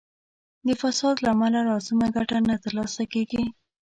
د فساد له امله لازمه ګټه نه تر لاسه کیږي.